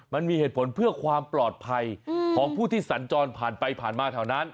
มันมีเหตุผลเพื่อความปลอดภัยของผู้ที่สัญจรผ่านไปผ่านมาแถวนั้น